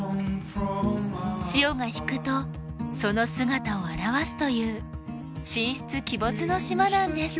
潮が引くとその姿を現すという神出鬼没の島なんです。